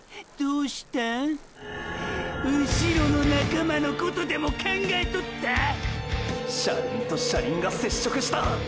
うしろの仲間のことでも考えとった⁉車輪と車輪が接触した！！